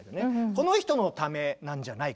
この人のためなんじゃないかと。